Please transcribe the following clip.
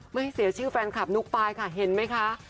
ไม่เสียชื่อแฟนคับนุ๊กไปค่ะเห็นไม่คะ